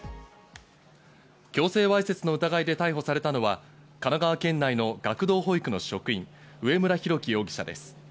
強制わいせつの疑いで逮捕されたのは神奈川県内の学童保育の職員・植村大樹容疑者です。